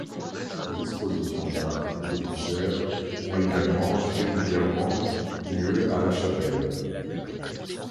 Des expositions d'art et des concerts ont également régulièrement lieu à la chapelle.